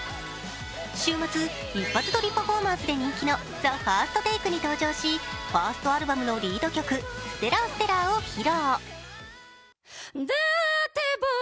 週末、一発撮りパフォーマンスで人気の「ＴＨＥＦＩＲＳＴＴＡＫＥ」に登場しファーストアルバムのリード曲「ＳｔｅｌｌａｒＳｔｅｌｌａｒ」を披露。